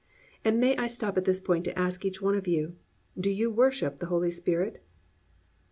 And may I stop at this point to ask each one of you, "Do you worship the Holy Spirit?"